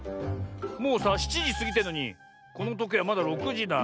もうさ７じすぎてんのにこのとけいまだ６じだ。